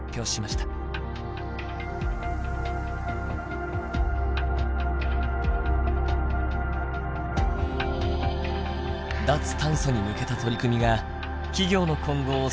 脱炭素に向けた取り組みが企業の今後を左右しかねない。